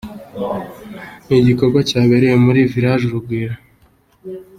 Ni igikorwa cyabereye muri Village Urugwiro.